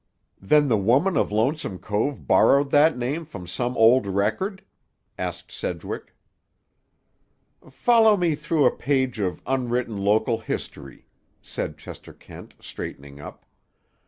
"Then the woman of Lonesome Cove borrowed that name from some old record?" asked Sedgwick. "Follow me through a page of unwritten local history," said Chester Kent, straightening up.